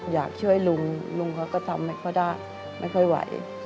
อยากช่วยลุงลุงเขาก็ทำให้เขาได้ไม่ค่อยไหว